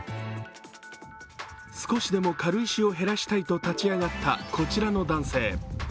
少しでも軽石を減らしたいと立ち上がった、こちらの男性。